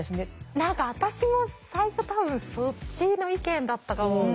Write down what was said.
何か私も最初多分そっちの意見だったかも。